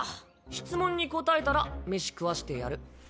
質問に答えたら飯食わしてやる。